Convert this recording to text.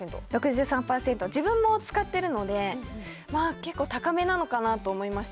６３％、自分も使ってるので、結構、高めなのかなと思いまし